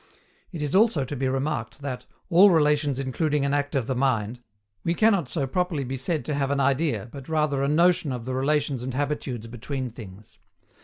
It is also to be remarked that, all relations including an act of the mind, we cannot so properly be said to have an idea, but rather a notion of the relations and habitudes between things.